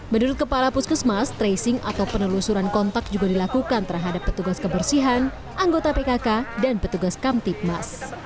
menurut kepala puskesmas tracing atau penelusuran kontak juga dilakukan terhadap petugas kebersihan anggota pkk dan petugas kamtipmas